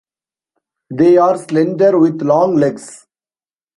They are slender, with long legs.